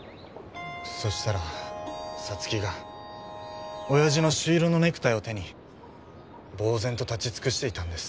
そしたら皐月が親父の朱色のネクタイを手にぼう然と立ちつくしていたんです